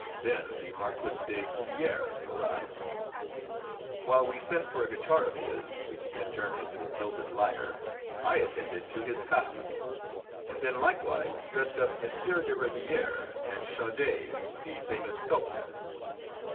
Then the Marquis de Cubières arrived. While we sent for a guitar of his, which he had turned into a gilded lyre, I attended to his costume, and then likewise dressed up M. de Rivière, and Chaudet, the famous sculptor.